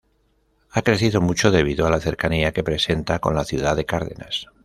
Ha crecido mucho debido a la cercanía que presenta con la ciudad de Cardenas.